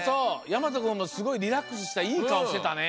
やまとくんがすごいリラックスしたいいかおしてたね。